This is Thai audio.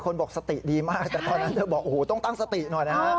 คนบอกสติดีมากแต่ตอนนั้นเธอบอกต้องตั้งสติหน่อยค่ะ